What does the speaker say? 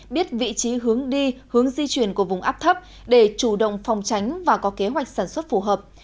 biết vị trí hướng đi hướng di chuyển của vùng áp thấp để chủ động phòng tránh và có kế hoạch sản xuất phù hợp